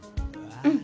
うん。